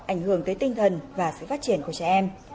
ảnh hưởng tới tinh thần và sự phát triển của trẻ em